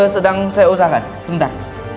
sedang saya usahakan sebentar